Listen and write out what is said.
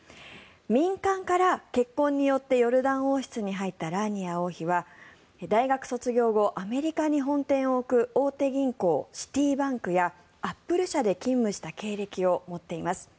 民間から、結婚によってヨルダン王室に入ったラーニア王妃は大学卒業後アメリカに本店を置く大手銀行シティバンクやアップル社で勤務した経歴を持っています。